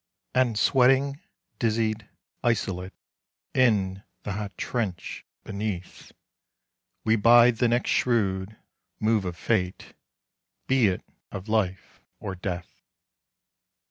And sweating, dizzied, isolate In the hot trench beneath, We bide the next shrewd move of fate Be it of life or death.